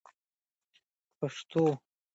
پښتو لیکل تر عربي لیکلو سخت دي.